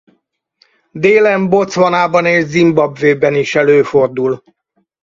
Délen Botswanában és Zimbabwében is előfordul.